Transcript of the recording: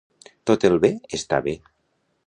Tot el bé està bé.